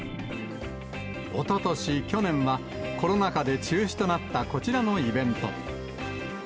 おととし、去年は、コロナ禍で中止となったこちらのイベント。